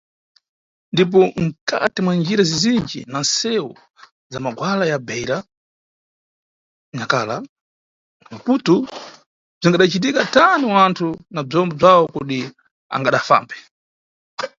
Ndipo mkati mwa njira zizinji za miseu za magwala ya Beira, Nacala na Maputo, bzingadacitike tani wanthu na bzombo bzawo kodi angadafambe?